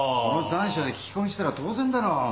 この残暑で聞き込みしたら当然だろ！